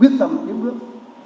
biết tầm kiếm bước